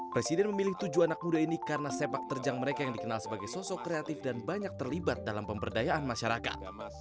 presiden memilih tujuh anak muda ini karena sepak terjang mereka yang dikenal sebagai sosok kreatif dan banyak terlibat dalam pemberdayaan masyarakat